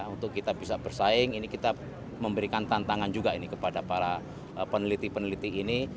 untuk kita bisa bersaing ini kita memberikan tantangan juga ini kepada para peneliti peneliti ini